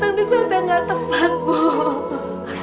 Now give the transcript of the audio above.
dipanggil penghampiran secara saat yang tidak mundur